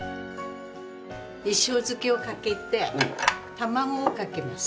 一升漬けをかけて卵をかけます。